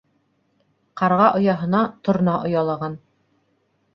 Ҡарға ояһына торна оялаған.